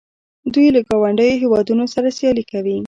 دوی له ګاونډیو هیوادونو سره سیالي کوي.